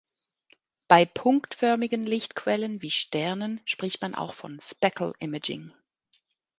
Bei punktförmigen Lichtquellen wie Sternen spricht man auch von Speckle Imaging.